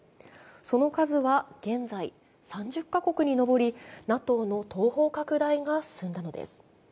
その数は現在、３０カ国にのぼりＮＡＴＯの東方拡大が進んでいったのです。